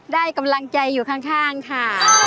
ได้กำลังใจอยู่ข้างค่ะ